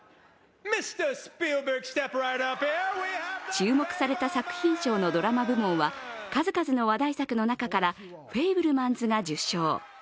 注目された作品賞のドラマ部門は数々の話題作の中から「フェイブルマンズ」が受賞。